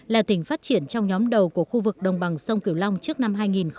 là tỉnh phát triển trong nhóm đầu của khu vực đồng bằng sông kiều long trước năm hai nghìn ba mươi